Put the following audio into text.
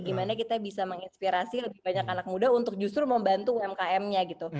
gimana kita bisa menginspirasi lebih banyak anak muda untuk justru membantu umkm nya gitu